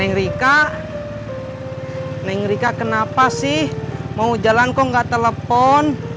neng rika neng rika kenapa sih mau jalan kok gak telepon